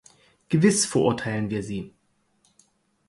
Gewiss verurteilen wir sie.